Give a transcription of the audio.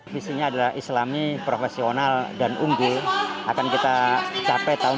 visinya adalah islami profesional dan unggul akan kita capai tahun dua ribu dua puluh